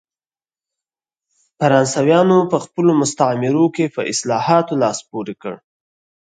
فرانسویانو په خپلو مستعمرو کې په اصلاحاتو لاس پورې کړ.